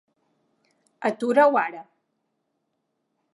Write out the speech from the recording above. Atura-ho ara.